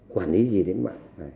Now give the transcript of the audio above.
quản lý gì đến mạng